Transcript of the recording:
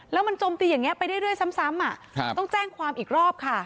แล้วมันจมตีอย่างนี้ไปเรื่อยซ้ำต้องแจ้งความอีกรอบค่ะ